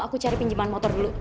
aku cari pinjaman motor dulu